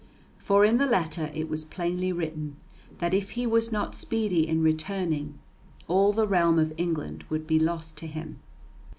For in the letter it was plainly written that if he was not speedy in returning, all the realm of England would be lost to him.